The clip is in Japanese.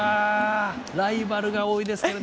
ライバルが多いですね。